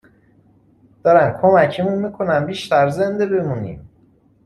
دارن کمکمون میکنن بیشتر زنده بمونیم